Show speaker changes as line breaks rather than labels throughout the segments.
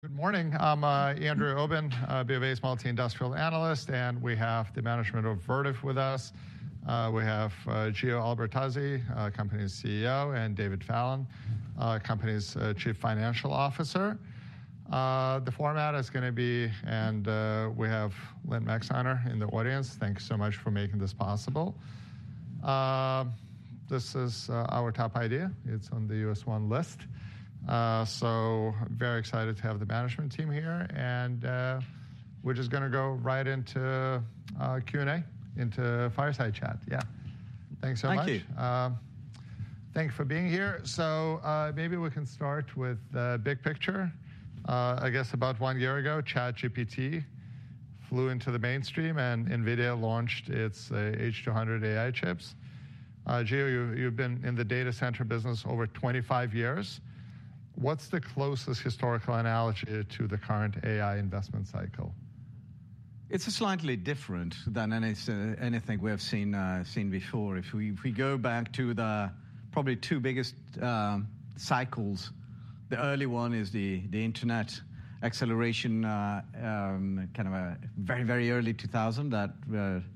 Good morning. I'm Andrew Obin, BofA small-cap industrial analyst, and we have the management of Vertiv with us. We have Giordano Albertazzi, company's CEO, and David Fallon, company's Chief Financial Officer. The format is going to be. We have Lynne Maxeiner in the audience. Thanks so much for making this possible. This is our top idea. It's on the US 1 List. So very excited to have the management team here. We're just going to go right into Q&A, into fireside chat. Yeah. Thanks so much.
Thank you.
Thanks for being here. So, maybe we can start with the big picture. I guess about 1 year ago, ChatGPT flew into the mainstream, and NVIDIA launched its H200 AI chips. Gio, you've been in the data center business over 25 years. What's the closest historical analogy to the current AI investment cycle?
It's slightly different than anything we've seen before. If we go back to the probably two biggest cycles, the early one is the Internet acceleration, kind of a very early 2000 that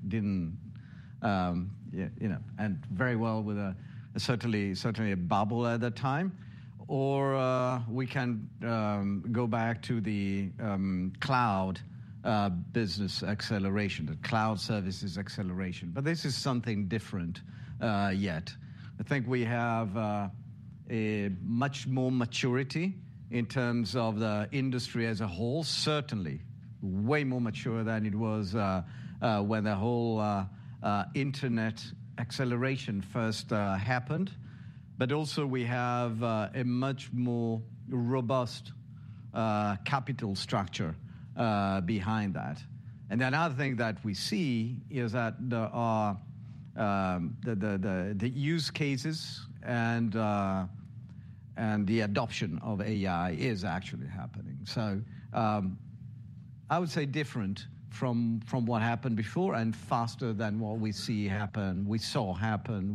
didn't, you know, end very well with a certainly a bubble at the time. Or we can go back to the cloud business acceleration, the cloud services acceleration. But this is something different, yet. I think we have a much more maturity in terms of the industry as a whole, certainly way more mature than it was when the whole Internet acceleration first happened. But also we have a much more robust capital structure behind that. And another thing that we see is that there are the use cases and the adoption of AI is actually happening. So, I would say different from what happened before and faster than what we saw happen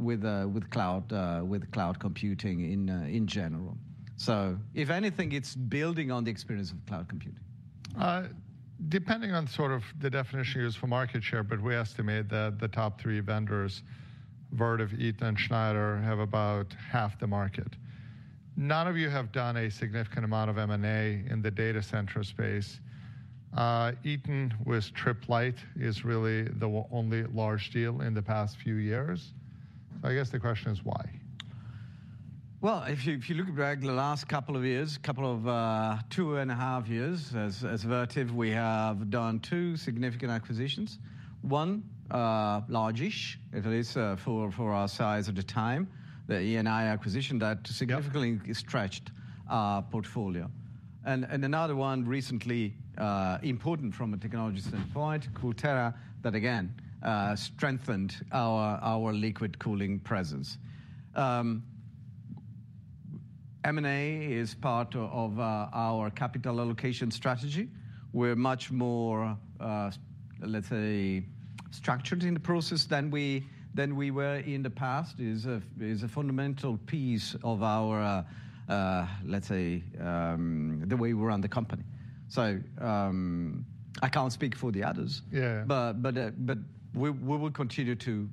with cloud computing in general. So if anything, it's building on the experience of cloud computing.
Depending on sort of the definition you use for market share, but we estimate that the top three vendors, Vertiv, Eaton, and Schneider, have about half the market. None of you have done a significant amount of M&A in the data center space. Eaton with Tripp Lite is really the only large deal in the past few years. So I guess the question is why.
Well, if you, if you look back the last couple of years, couple of, two and a half years, as, as Vertiv, we have done two significant acquisitions. One, large-ish, at least, for, for our size at the time, that E&I acquisition that significantly stretched, portfolio. And, and another one recently, important from a technology standpoint, CoolTera, that again, strengthened our, our liquid cooling presence. M&A is part of, of, our capital allocation strategy. We're much more, let's say, structured in the process than we, than we were in the past is a, is a fundamental piece of our, let's say, the way we run the company. So, I can't speak for the others.
Yeah.
But we will continue to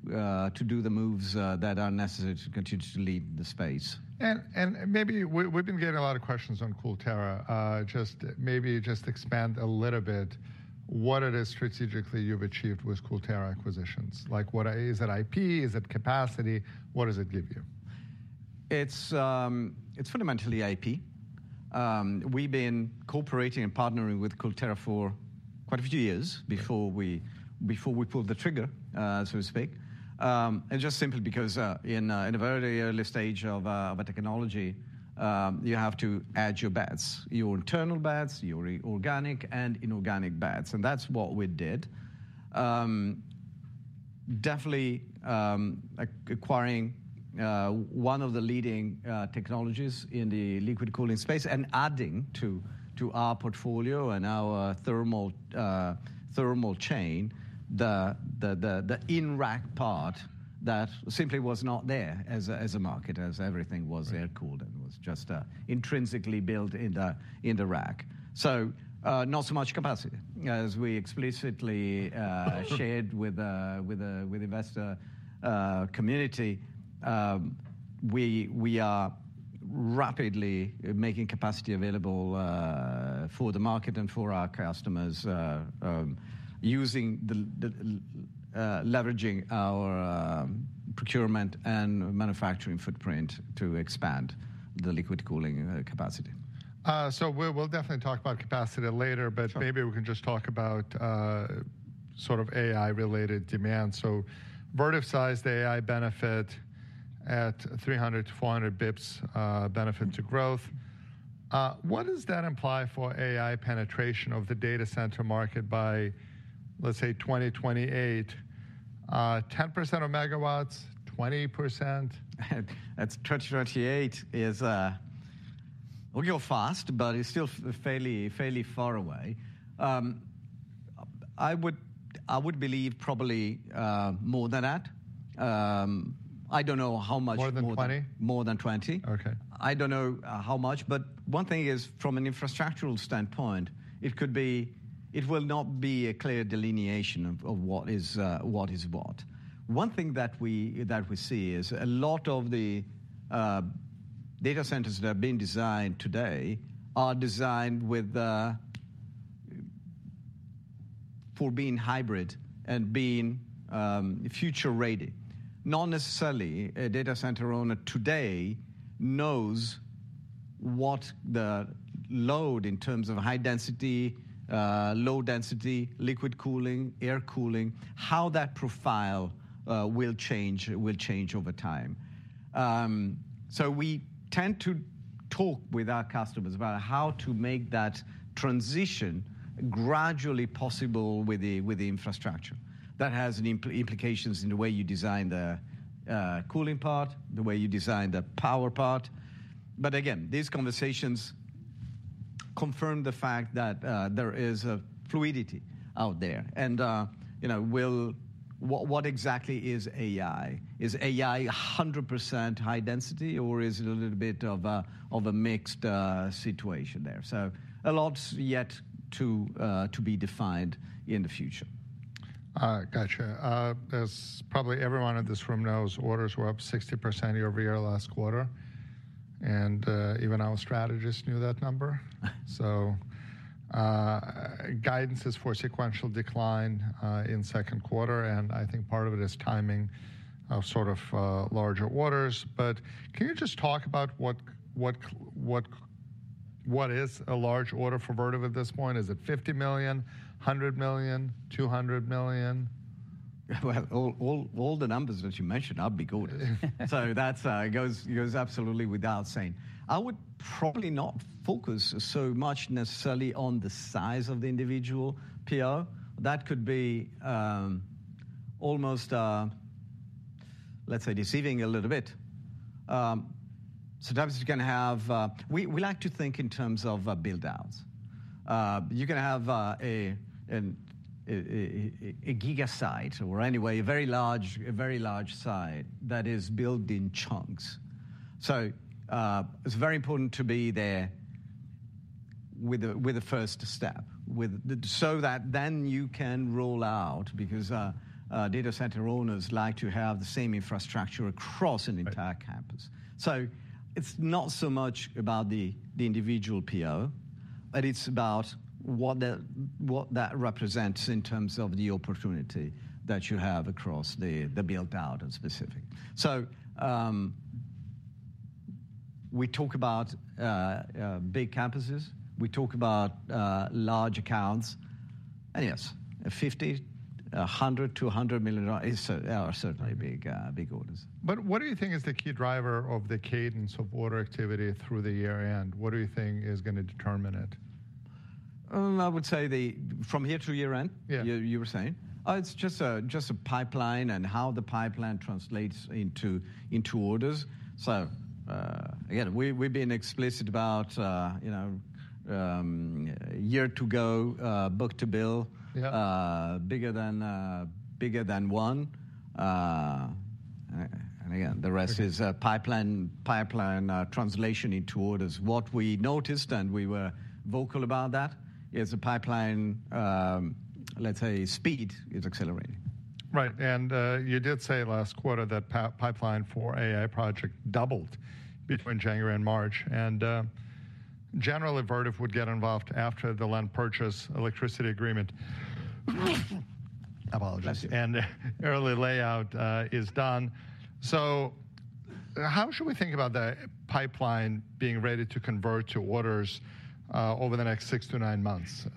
do the moves that are necessary to continue to lead the space.
Maybe we've been getting a lot of questions on CoolTera. Just maybe just expand a little bit what it is strategically you've achieved with CoolTera acquisitions. Like what is it IP? Is it capacity? What does it give you?
It's, it's fundamentally IP. We've been cooperating and partnering with CoolTera for quite a few years before we, before we pulled the trigger, so to speak. And just simply because, in, in a very early stage of, of a technology, you have to add your bets, your internal bets, your organic and inorganic bets. And that's what we did. Definitely, acquiring one of the leading technologies in the liquid cooling space and adding to, to our portfolio and our thermal, thermal chain, the in-rack part that simply was not there as a, as a market, as everything was air-cooled and was just, intrinsically built in the, in the rack. So, not so much capacity. As we explicitly shared with the investor community, we are rapidly making capacity available for the market and for our customers, leveraging our procurement and manufacturing footprint to expand the liquid cooling capacity.
So we'll definitely talk about capacity later, but maybe we can just talk about, sort of AI-related demand. So Vertiv sized the AI benefit at 300-400 bps benefit to growth. What does that imply for AI penetration of the data center market by, let's say, 2028? 10% of megawatts? 20%?
At 2028 is, we'll go fast, but it's still fairly, fairly far away. I would, I would believe probably, more than that. I don't know how much.
More than 20?
More than 20.
Okay.
I don't know how much. But one thing is, from an infrastructural standpoint, it could be it will not be a clear delineation of what is what. One thing that we see is a lot of the data centers that have been designed today are designed for being hybrid and being future-ready. Not necessarily a data center owner today knows what the load in terms of high density, low density, liquid cooling, air cooling, how that profile will change over time. So we tend to talk with our customers about how to make that transition gradually possible with the infrastructure. That has implications in the way you design the cooling part, the way you design the power part. But again, these conversations confirm the fact that there is a fluidity out there. You know, well, what exactly is AI? Is AI 100% high density, or is it a little bit of a mixed situation there? So a lot's yet to be defined in the future.
Gotcha. As probably everyone in this room knows, orders were up 60% YoY last quarter. And, even our strategist knew that number. So, guidance is for sequential decline in second quarter. And I think part of it is timing of sort of larger orders. But can you just talk about what, what, what, what is a large order for Vertiv at this point? Is it $50 million? $100 million? $200 million?
Well, all the numbers that you mentioned are big orders. So that goes absolutely without saying. I would probably not focus so much necessarily on the size of the individual PO. That could be almost, let's say, deceiving a little bit. Sometimes you're going to have. We like to think in terms of buildouts. You're going to have a giga site or anyway a very large site that is built in chunks. So it's very important to be there with the first step so that then you can roll out because data center owners like to have the same infrastructure across an entire campus. So it's not so much about the individual PO, but it's about what that represents in terms of the opportunity that you have across the buildout in specific. So, we talk about big campuses. We talk about large accounts. And yes, $50 million, $100 million, $200 million are certainly big, big orders.
But what do you think is the key driver of the cadence of order activity through the year-end? What do you think is going to determine it?
I would say, from here to year-end.
Yeah.
You were saying? Oh, it's just a pipeline and how the pipeline translates into orders. So, again, we've been explicit about, you know, year-to-go, book-to-bill.
Yeah.
Bigger than one. And again, the rest is pipeline translation into orders. What we noticed and we were vocal about that is the pipeline, let's say, speed is accelerating.
Right. You did say last quarter that pipeline for AI project doubled between January and March. Generally, Vertiv would get involved after the land-purchase electricity agreement. Apologies. Early layout is done. So how should we think about the pipeline being ready to convert to orders over the next six to nine months,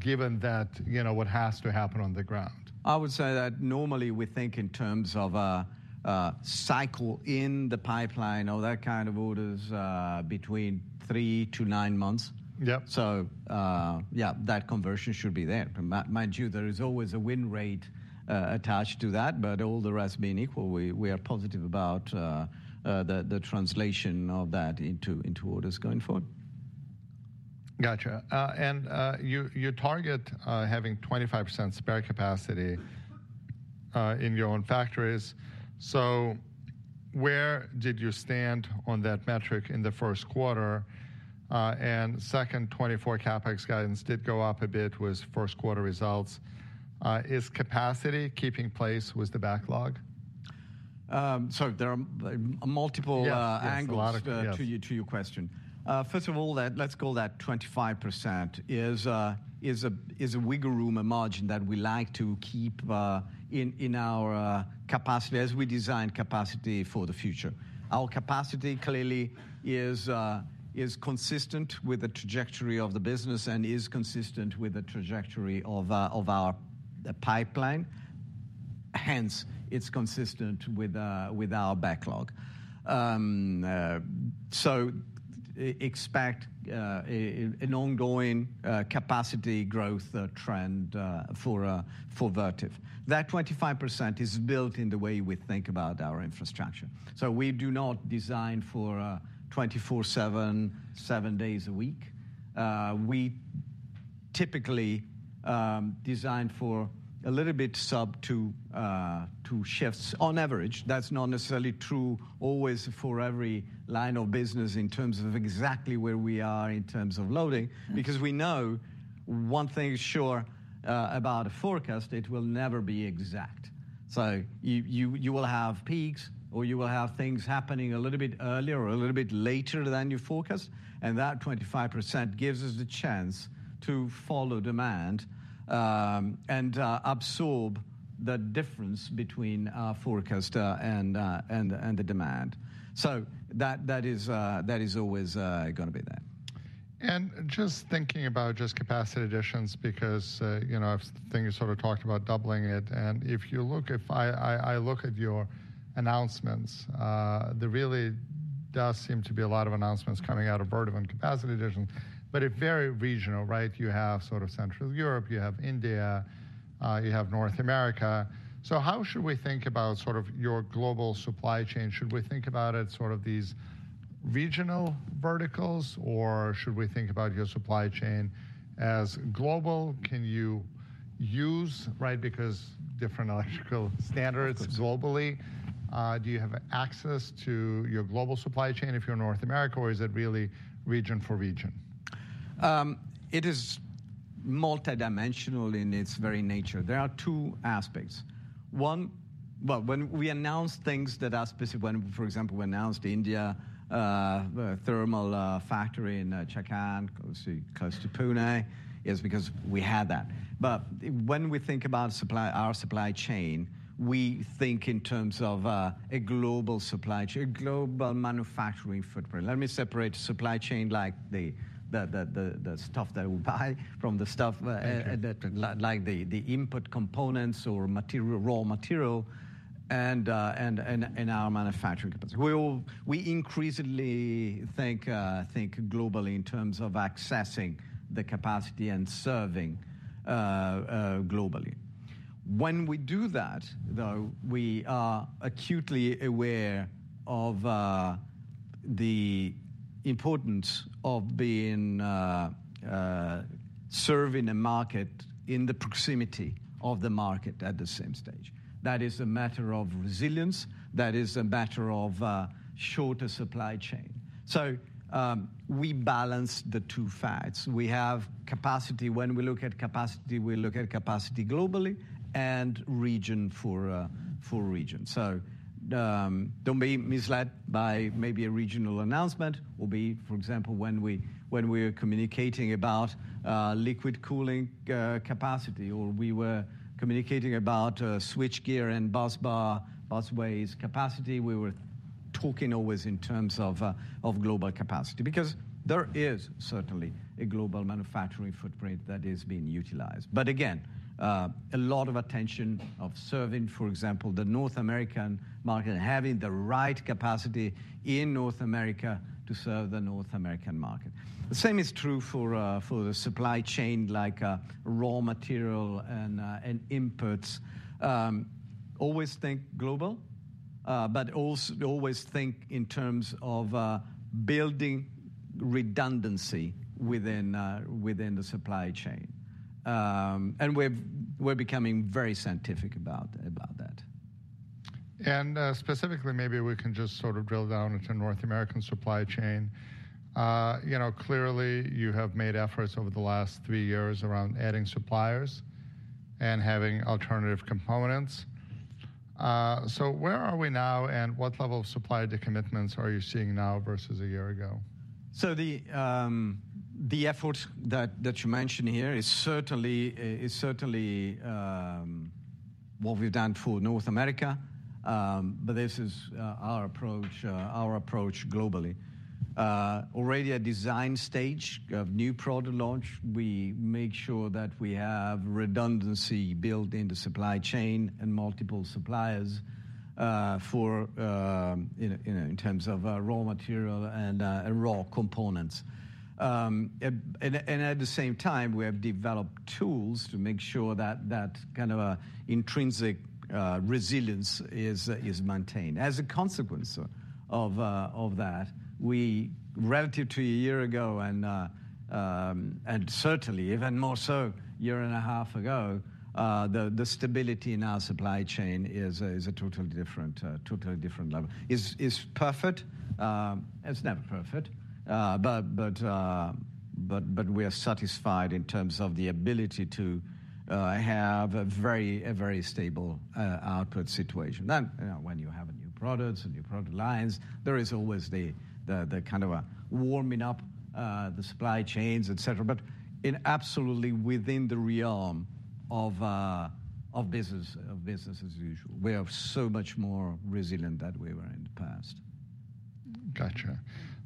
given that, you know, what has to happen on the ground?
I would say that normally we think in terms of a cycle in the pipeline, all that kind of orders, between 3-9 months.
Yep.
So, yeah, that conversion should be there. Mind you, there is always a win rate attached to that. But all the rest being equal, we are positive about the translation of that into orders going forward.
Gotcha. You target having 25% spare capacity in your own factories. So where did you stand on that metric in the first quarter? Second, 2024 CapEx guidance did go up a bit with first quarter results. Is capacity keeping pace with the backlog?
So there are multiple angles to your question. First of all, that let's call that 25% is a wiggle room, a margin that we like to keep in our capacity as we design capacity for the future. Our capacity clearly is consistent with the trajectory of the business and is consistent with the trajectory of our pipeline. Hence, it's consistent with our backlog. So expect an ongoing capacity growth trend for Vertiv. That 25% is built in the way we think about our infrastructure. So we do not design for 24/7, seven days a week. We typically design for a little bit sub-two shifts. On average, that's not necessarily true always for every line of business in terms of exactly where we are in terms of loading. Because we know one thing is sure about a forecast: it will never be exact. So you will have peaks or you will have things happening a little bit earlier or a little bit later than you forecast. And that 25% gives us the chance to follow demand and absorb the difference between forecast and the demand. So that is always going to be there.
Just thinking about just capacity additions, because, you know, I think you sort of talked about doubling it. If you look, if I look at your announcements, there really does seem to be a lot of announcements coming out of Vertiv on capacity additions. But it's very regional, right? You have sort of Central Europe, you have India, you have North America. So how should we think about sort of your global supply chain? Should we think about it sort of these regional verticals, or should we think about your supply chain as global? Can you use, right, because different electrical standards globally, do you have access to your global supply chain if you're in North America, or is it really region for region?
It is multidimensional in its very nature. There are two aspects. One, well, when we announce things that are specific when, for example, we announced India, thermal, factory in Chakan, close to Pune, it's because we had that. But when we think about supply our supply chain, we think in terms of, a global supply chain, a global manufacturing footprint. Let me separate supply chain like the stuff that we buy from the stuff, like the input components or material, raw material, and our manufacturing capacity. We increasingly think globally in terms of accessing the capacity and serving, globally. When we do that, though, we are acutely aware of, the importance of being, serving a market in the proximity of the market at the same stage. That is a matter of resilience. That is a matter of, shorter supply chain. So, we balance the two facets. We have capacity. When we look at capacity, we look at capacity globally and region for region. So, don't be misled by maybe a regional announcement or, for example, when we are communicating about liquid cooling capacity or we were communicating about switchgear and busbar busways capacity, we were talking always in terms of global capacity. Because there is certainly a global manufacturing footprint that is being utilized. But again, a lot of attention to serving, for example, the North American market and having the right capacity in North America to serve the North American market. The same is true for the supply chain like raw material and inputs. Always think global, but also always think in terms of building redundancy within the supply chain. And we're becoming very scientific about that.
Specifically, maybe we can just sort of drill down into North American supply chain. You know, clearly you have made efforts over the last three years around adding suppliers and having alternative components. So where are we now, and what level of supply to commitments are you seeing now versus a year ago?
So the efforts that you mentioned here is certainly what we've done for North America. But this is our approach globally. Already at design stage of new product launch, we make sure that we have redundancy built in the supply chain and multiple suppliers, for you know in terms of raw material and raw components. And at the same time, we have developed tools to make sure that that kind of intrinsic resilience is maintained. As a consequence of that, we relative to a year ago and certainly even more so a year and a half ago, the stability in our supply chain is a totally different level. Is perfect? It's never perfect. But we are satisfied in terms of the ability to have a very stable output situation. Then, you know, when you have new products, new product lines, there is always the kind of a warming up, the supply chains, et cetera. But absolutely within the realm of business as usual, we are so much more resilient than we were in the past.
Gotcha.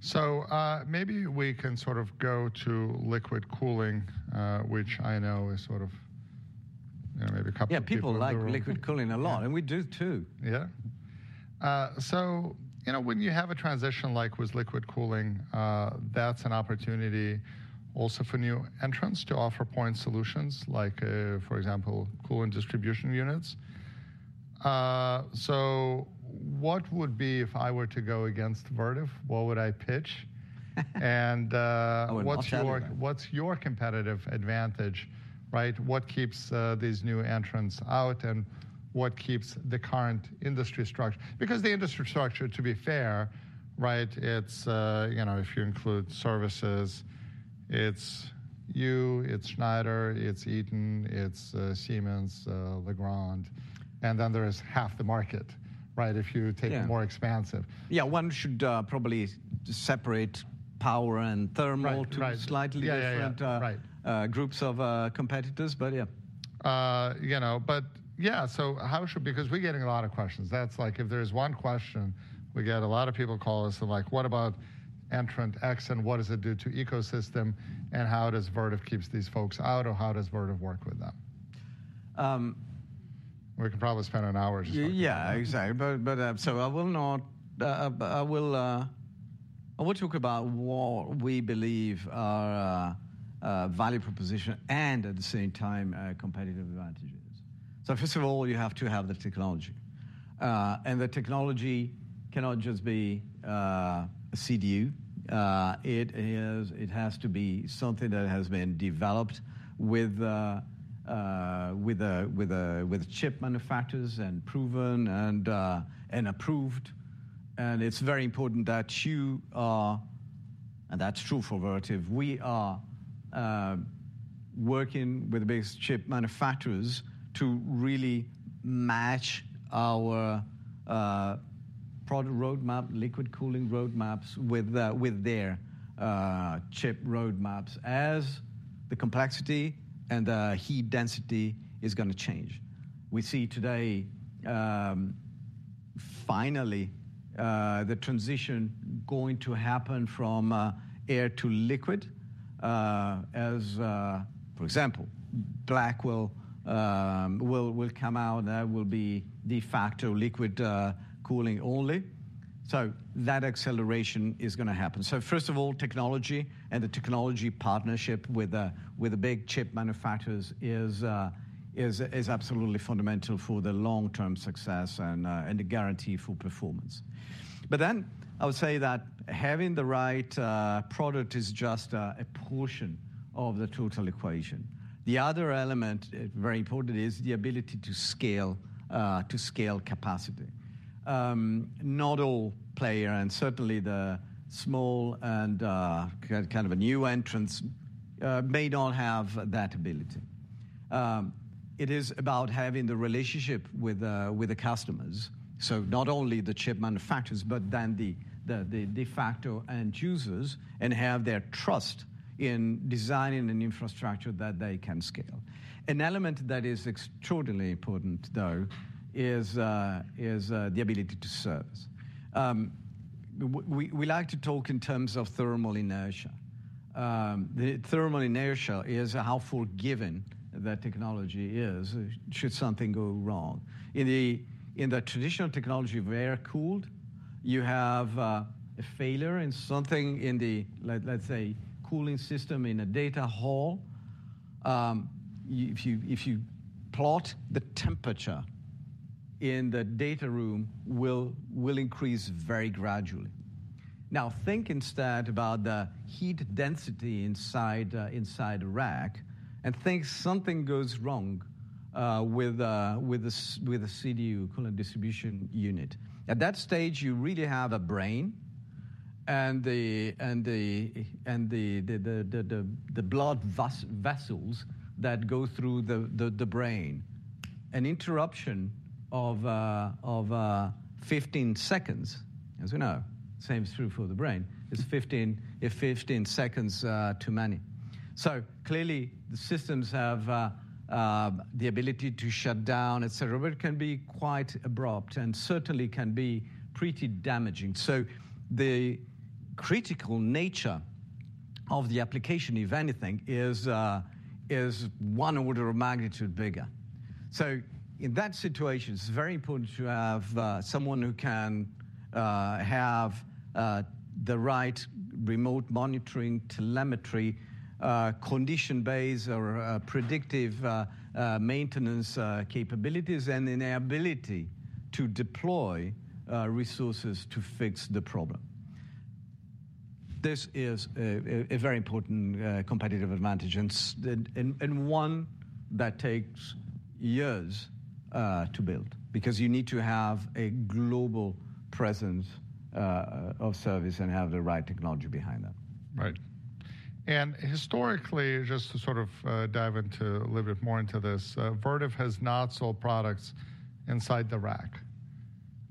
So, maybe we can sort of go to liquid cooling, which I know is sort of, you know, maybe a couple of people.
Yeah, people like liquid cooling a lot. We do too.
Yeah. So, you know, when you have a transition like with liquid cooling, that's an opportunity also for new entrants to offer point solutions like, for example, coolant distribution units. So what would be if I were to go against Vertiv, what would I pitch? And, what's your, what's your competitive advantage, right? What keeps these new entrants out, and what keeps the current industry structure? Because the industry structure, to be fair, right, it's, you know, if you include services, it's you, it's Schneider, it's Eaton, it's Siemens, Legrand. And then there is half the market, right, if you take the more expansive.
Yeah. One should probably separate power and thermal to slightly different groups of competitors. But yeah.
You know, but yeah, so how should because we're getting a lot of questions. That's like if there is one question, we get a lot of people call us and like, what about entrant X and what does it do to ecosystem and how does Vertiv keeps these folks out or how does Vertiv work with them? We can probably spend an hour just talking about that.
Yeah, exactly. But so I will talk about what we believe are value proposition and at the same time, competitive advantages. So first of all, you have to have the technology. And the technology cannot just be a CDU. It has to be something that has been developed with a chip manufacturers and proven and approved. And it's very important that you are, and that's true for Vertiv. We are working with the biggest chip manufacturers to really match our product roadmap, liquid cooling roadmaps with their chip roadmaps as the complexity and the heat density is going to change. We see today, finally, the transition going to happen from air to liquid, as for example, Blackwell will come out and that will be de facto liquid cooling only. So that acceleration is going to happen. So first of all, technology and the technology partnership with the big chip manufacturers is absolutely fundamental for the long-term success and the guarantee for performance. But then I would say that having the right product is just a portion of the total equation. The other element, very important, is the ability to scale capacity. Not all players and certainly the small and kind of new entrants may not have that ability. It is about having the relationship with the customers. So not only the chip manufacturers, but then the de facto end users and have their trust in designing an infrastructure that they can scale. An element that is extraordinarily important, though, is the ability to service. We like to talk in terms of thermal inertia. The thermal inertia is how forgiving the technology is should something go wrong. In the traditional technology of air cooled, you have a failure in something in the, let's say, cooling system in a data hall. If you plot the temperature in the data room, will increase very gradually. Now think instead about the heat density inside a rack. And think something goes wrong with a CDU, coolant distribution unit. At that stage, you really have a brain and the blood vessels that go through the brain. An interruption of 15 seconds, as we know, same is true for the brain, is 15 seconds too many. So clearly the systems have the ability to shut down, et cetera. But it can be quite abrupt and certainly can be pretty damaging. So the critical nature of the application, if anything, is one order of magnitude bigger. So in that situation, it's very important to have someone who can have the right remote monitoring, telemetry, condition-based or predictive maintenance capabilities and then the ability to deploy resources to fix the problem. This is a very important competitive advantage. And one that takes years to build. Because you need to have a global presence of service and have the right technology behind that.
Right. And historically, just to sort of, dive into a little bit more into this, Vertiv has not sold products inside the rack.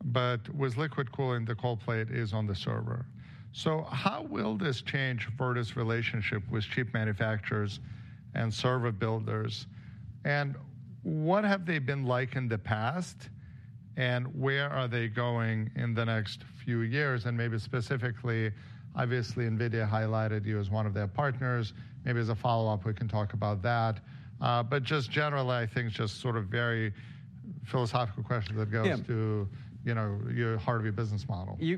But with liquid cooling, the cold plate is on the server. So how will this change Vertiv's relationship with chip manufacturers and server builders? And what have they been like in the past? And where are they going in the next few years? And maybe specifically, obviously, NVIDIA highlighted you as one of their partners. Maybe as a follow-up, we can talk about that. But just generally, I think just sort of very philosophical questions that goes to, you know, your heart of your business model.
You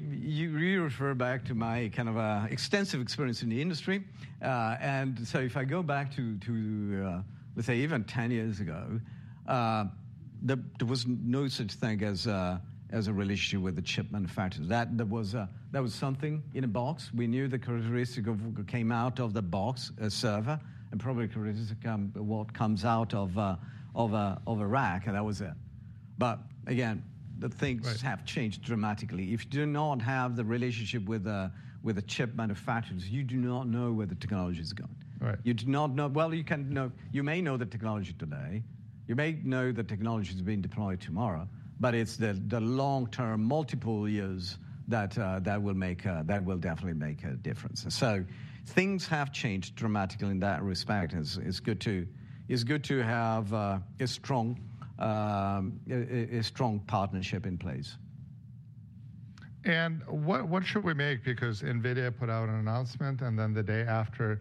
really refer back to my kind of extensive experience in the industry. And so if I go back to, let's say even 10 years ago, there was no such thing as a relationship with the chip manufacturers. There was something in a box. We knew the characteristic of what came out of the box, a server, and probably the characteristic of what comes out of a rack. And that was it. But again, the things have changed dramatically. If you do not have the relationship with the chip manufacturers, you do not know where the technology is going.
Right.
You do not know well, you can know you may know the technology today. You may know the technology is being deployed tomorrow. But it's the long-term multiple years that will definitely make a difference. So things have changed dramatically in that respect. And it's good to have a strong partnership in place.
What, what should we make? Because NVIDIA put out an announcement, and then the day after,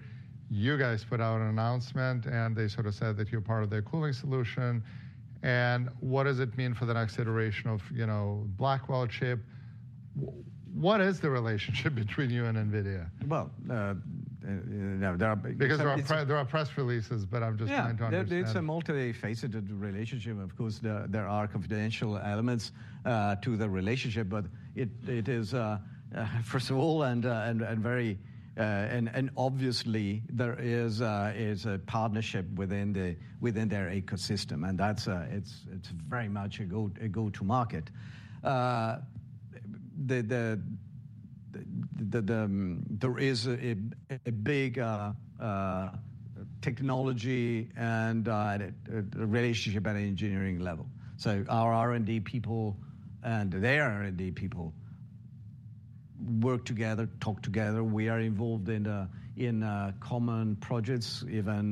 you guys put out an announcement, and they sort of said that you're part of their cooling solution. What does it mean for the next iteration of, you know, Blackwell chip? What is the relationship between you and NVIDIA?
Well, you know, there are press releases. But I'm just trying to understand. It's a multi-faceted relationship. Of course, there are confidential elements to the relationship. But it is, first of all, and very obviously, there is a partnership within their ecosystem. And that's very much a go-to-market. There is a big technology and relationship at an engineering level. So our R&D people and their R&D people work together, talk together. We are involved in common projects, even,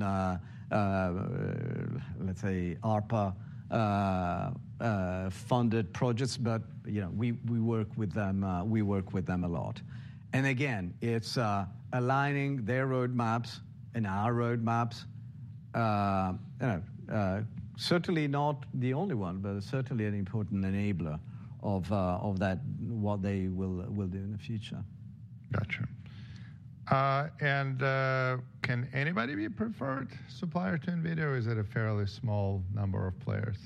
let's say, ARPA-funded projects. But, you know, we work with them a lot. And again, it's aligning their roadmaps and our roadmaps, you know, certainly not the only one, but certainly an important enabler of what they will do in the future.
Gotcha. Can anybody be a preferred supplier to NVIDIA? Or is it a fairly small number of players?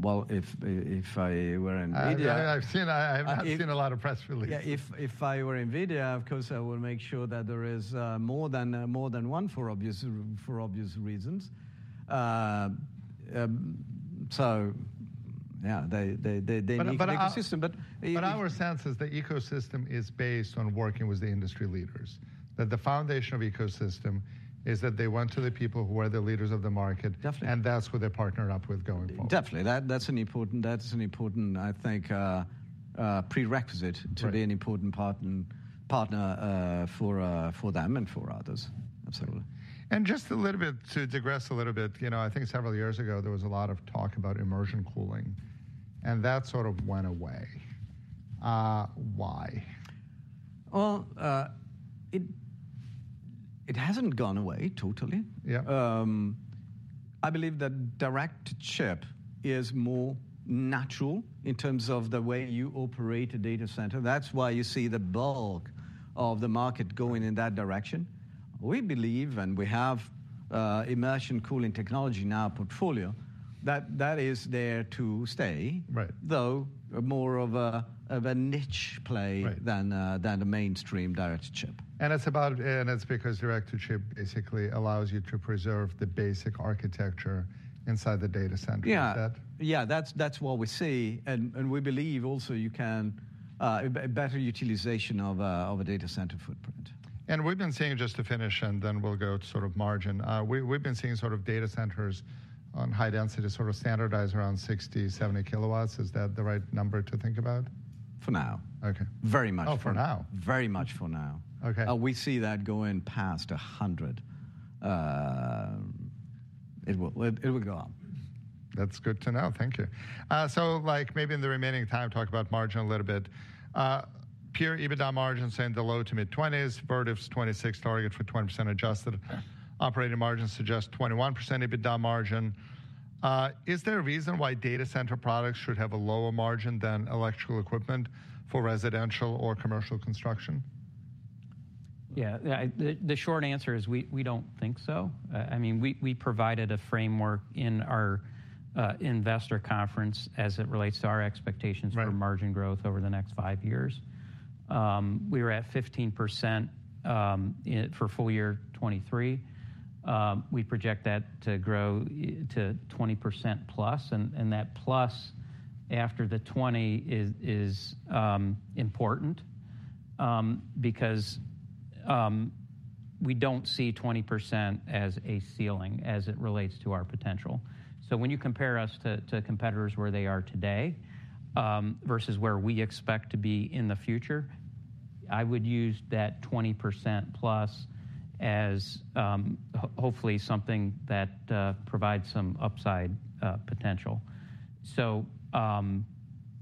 Well, if I were NVIDIA.
I have not seen a lot of press releases.
Yeah. If I were NVIDIA, of course, I would make sure that there is more than one for obvious reasons. So yeah, they need an ecosystem.
But our sense is the ecosystem is based on working with the industry leaders. That the foundation of ecosystem is that they went to the people who are the leaders of the market.
Definitely.
That's who they partner up with going forward.
Definitely. That's an important, I think, prerequisite to be an important partner for them and for others. Absolutely.
Just a little bit to digress a little bit, you know, I think several years ago, there was a lot of talk about immersion cooling. That sort of went away. Why?
Well, it hasn't gone away totally.
Yeah.
I believe that direct chip is more natural in terms of the way you operate a data center. That's why you see the bulk of the market going in that direction. We believe, and we have, immersion cooling technology in our portfolio, that that is there to stay.
Right.
Though more of a niche play than a mainstream direct chip.
It's because direct chip basically allows you to preserve the basic architecture inside the data center. Is that?
Yeah. That's what we see. And we believe also you can better utilization of a data center footprint.
We've been seeing just to finish, and then we'll go to sort of margin. We've been seeing sort of data centers on high density sort of standardized around 60-70 kW. Is that the right number to think about?
For now.
OK.
Very much for now.
Oh, for now?
Very much for now.
OK.
We see that going past 100. It will go up.
That's good to know. Thank you. Like maybe in the remaining time, talk about margin a little bit. Pure EBITDA margin saying the low-to-mid-20s. Vertiv's 2026 target for 20% adjusted. Operating margin suggests 21% EBITDA margin. Is there a reason why data center products should have a lower margin than electrical equipment for residential or commercial construction?
Yeah. The short answer is we don't think so. I mean, we provided a framework in our investor conference as it relates to our expectations for margin growth over the next five years. We were at 15% for full year 2023. We project that to grow to 20%+. And that plus after the 20 is important because we don't see 20% as a ceiling as it relates to our potential. So when you compare us to competitors where they are today versus where we expect to be in the future, I would use that 20%+ as hopefully something that provides some upside potential. So,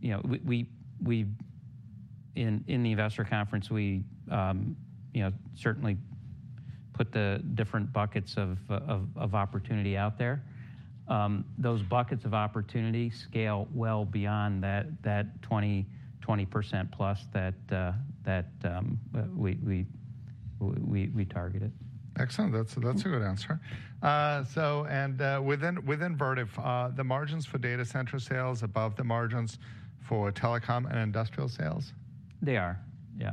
you know, we in the investor conference, we you know certainly put the different buckets of opportunity out there. Those buckets of opportunity scale well beyond that 20-20%+ that we targeted.
Excellent. That's a good answer. Within Vertiv, the margins for data center sales above the margins for telecom and industrial sales?
They are. Yeah.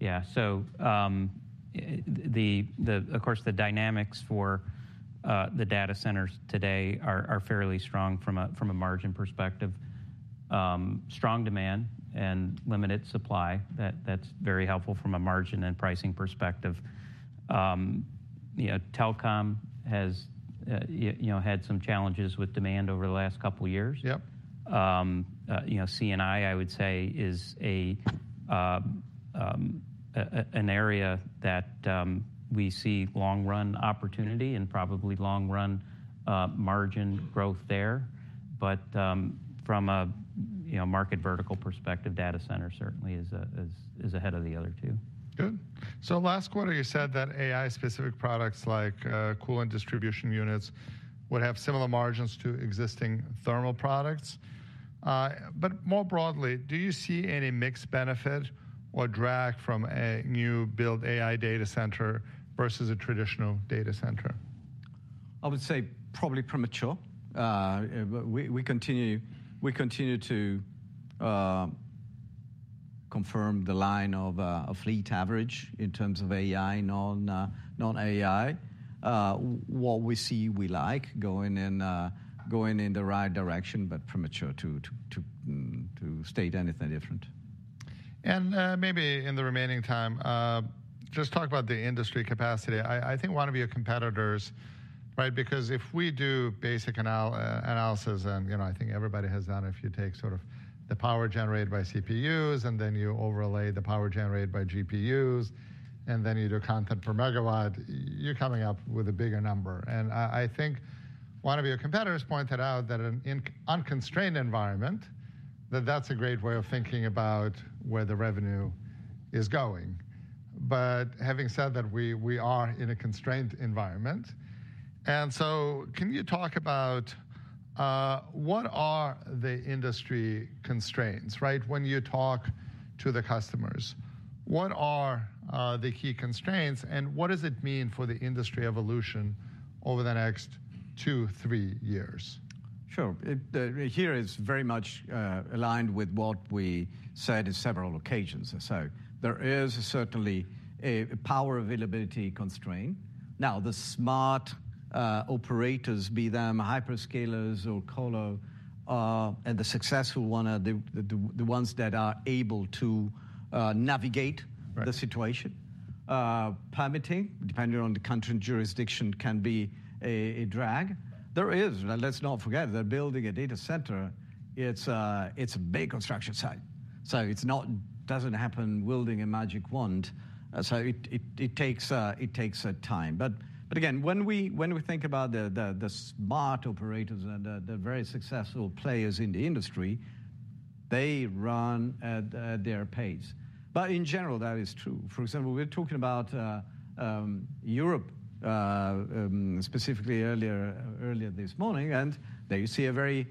Yeah. So, of course, the dynamics for the data centers today are fairly strong from a margin perspective. Strong demand and limited supply. That's very helpful from a margin and pricing perspective. You know, telecom has, you know, had some challenges with demand over the last couple of years.
Yep.
You know, C&I, I would say, is an area that we see long-run opportunity and probably long-run margin growth there. But from a, you know, market vertical perspective, data center certainly is ahead of the other two.
Good. So last quarter, you said that AI-specific products like coolant distribution units would have similar margins to existing thermal products. But more broadly, do you see any mixed benefit or drag from a new build AI data center versus a traditional data center?
I would say probably premature. We continue to confirm the linearity in terms of AI, non-AI. What we see, we like going in the right direction, but premature to state anything different.
Maybe in the remaining time, just talk about the industry capacity. I think one of your competitors, right, because if we do basic analysis and, you know, I think everybody has done it, if you take sort of the power generated by CPUs and then you overlay the power generated by GPUs, and then you do content per megawatt, you're coming up with a bigger number. I think one of your competitors pointed out that in an unconstrained environment, that's a great way of thinking about where the revenue is going. But having said that, we are in a constrained environment. So can you talk about what are the industry constraints, right, when you talk to the customers? What are the key constraints? What does it mean for the industry evolution over the next 2-3 years?
Sure. It here is very much aligned with what we said in several occasions. So there is certainly a power availability constraint. Now, the smart operators, be they hyperscalers or colo, and the successful ones, the ones that are able to navigate the situation, permitting, depending on the country and jurisdiction, can be a drag. Let's not forget that building a data center, it's a big construction site. So it doesn't happen wielding a magic wand. So it takes time. But again, when we think about the smart operators and the very successful players in the industry, they run at their pace. But in general, that is true. For example, we're talking about Europe, specifically earlier this morning. There you see a very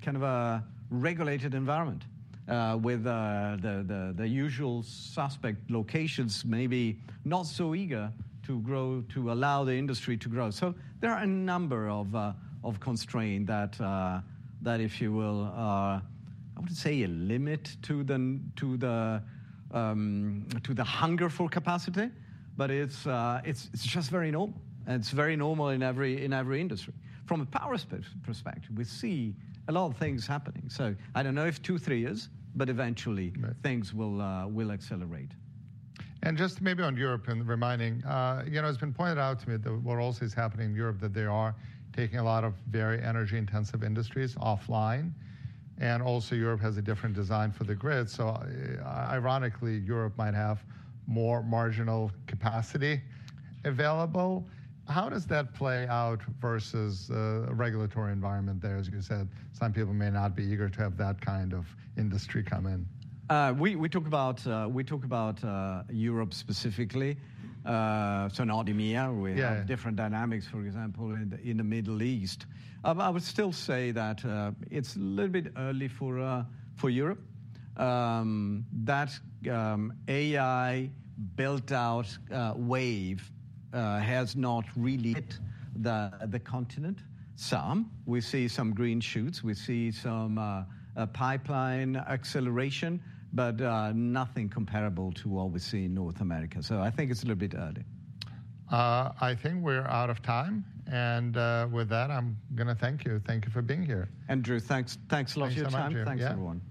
kind of a regulated environment, with the usual suspect locations maybe not so eager to grow to allow the industry to grow. So there are a number of constraints that, if you will, I wouldn't say a limit to the hunger for capacity. But it's just very normal. It's very normal in every industry. From a power perspective, we see a lot of things happening. So I don't know if 2, 3 years. But eventually, things will accelerate.
And just maybe on Europe and reminding, you know, it's been pointed out to me that what also is happening in Europe, that they are taking a lot of very energy-intensive industries offline. And also, Europe has a different design for the grid. So ironically, Europe might have more marginal capacity available. How does that play out versus the regulatory environment there? As you said, some people may not be eager to have that kind of industry come in.
We talk about Europe specifically. So North America, we have different dynamics, for example, in the Middle East. I would still say that it's a little bit early for Europe. That AI build-out wave has not really hit the continent. We see some green shoots. We see some pipeline acceleration. But nothing comparable to what we see in North America. So I think it's a little bit early.
I think we're out of time. With that, I'm going to thank you. Thank you for being here.
Andrew, thanks. Thanks a lot for your time. Thanks, everyone.